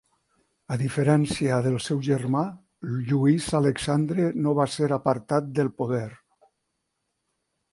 A diferència del seu germà, Lluís Alexandre no va ser apartat del poder.